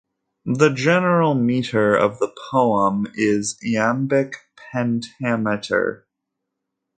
The general meter of the poem is iambic pentameter.